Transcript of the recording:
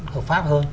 hợp pháp hơn